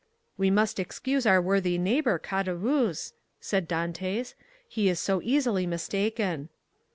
"We must excuse our worthy neighbor, Caderousse," said Dantès, "he is so easily mistaken."